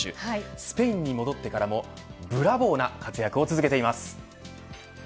スペインに戻ってからもブラボーな活躍を続けています。